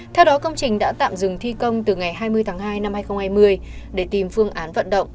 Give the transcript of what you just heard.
theo đó công trình đã tạm dừng thi công từ ngày hai mươi tháng hai năm hai nghìn hai mươi để tìm phương án vận động